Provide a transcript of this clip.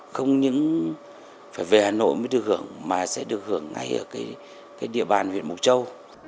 không những phải về hà nội mới được hưởng mà sẽ được hưởng ngay ở địa bàn huyện mộc châu